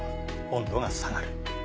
温度が下がる。